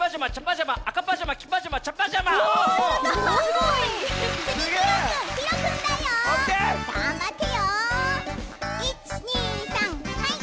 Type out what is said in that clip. すごい。